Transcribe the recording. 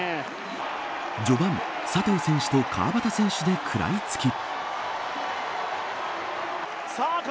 序盤、佐藤選手と川端選手で食らいつき。